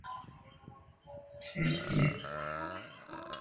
Instantáneas de cineastas".